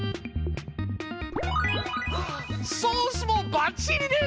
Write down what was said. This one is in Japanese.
ソースもバッチリです！